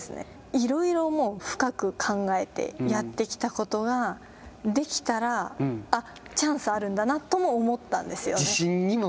いろいろもう、深く考えてやってきたことができたらあっ、チャンスがあるんだなとも思ったんですね。